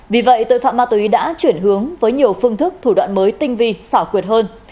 vì vậy tội phạm ma túy đã chuyển hướng với nhiều phương thức thủ đoạn mới tinh vi xảo quyệt hơn